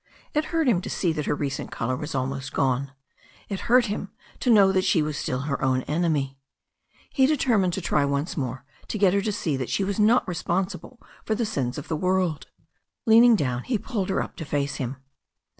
It hurt him to see that her recent colour was almost gone. It hurt him to know that she was still her own enemy. He determined to try once more to get her to see that she was not responsible for the sins of the world. Leaning down, he pulled her up to face him.